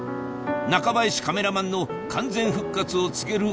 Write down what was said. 中林カメラマンの完全復活を告げる